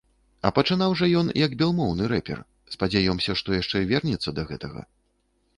А пачынаў жа ён як белмоўны рэпер, спадзяёмся, што яшчэ вернецца да гэтага.